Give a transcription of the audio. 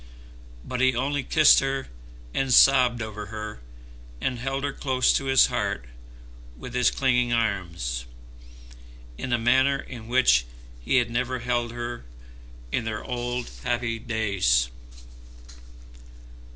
But he only kissed her, and sobbed over her, and held her close to his heart with his clinging arms, in a manner in which he had never held her in their old happy days.